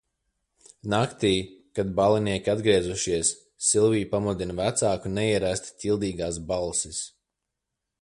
Naktī, kad ballinieki atgriezušies, Silviju pamodina vecāku neierasti ķildīgās balsis.